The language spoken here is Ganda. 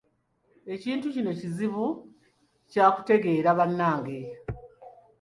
Ekintu kino kizibu kya kutegeera bannange.